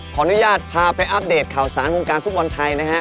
ขออนุญาตพาไปอัปเดตข่าวสารฟุตบอลไทย